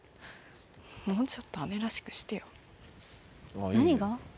もうちょっと姉らしくしてよ何が？